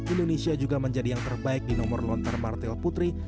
indonesia juga menjadi yang terbaik di nomor lontar martel putri